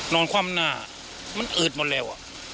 นอนความหน้ามันแอดรอเรี่ยว